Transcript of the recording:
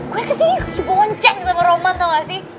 gue kesini dibonceng sama roman tau gak sih